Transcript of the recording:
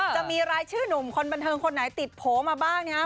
จะมีรายชื่อหนุ่มคนบันเทิงคนไหนติดโผล่มาบ้างนะครับ